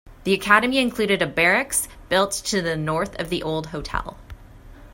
The Academy included a barracks built to the north of the old hotel.